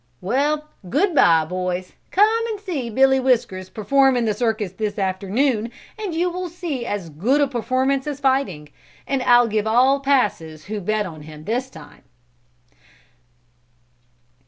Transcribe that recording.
"Well, good bye, boys; come and see Billy Whiskers perform in the circus this afternoon and you will see as good a performance as fighting, and I'll give all passes who bet on him this time.